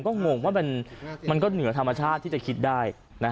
ก็งงว่ามันก็เหนือธรรมชาติที่จะคิดได้